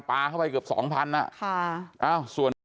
ปลาเข้าไปเกือบสองพันค่ะเอ้าส่วน